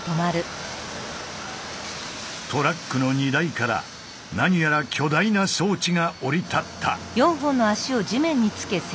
トラックの荷台から何やら巨大な装置が降り立った。